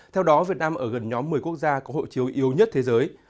theo đó việt nam ở gần nhóm một mươi quốc gia có hộ chiếu yếu nhất thế giới